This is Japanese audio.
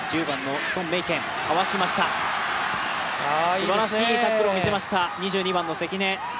すばらしいタックルを見せました２２番の関根。